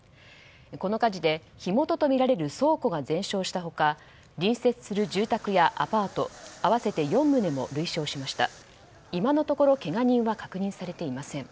この火事で火元とみられる倉庫が全焼した他隣接する住宅やアパート合わせて４棟も類焼しました。